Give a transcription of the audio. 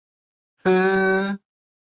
四川南溪人。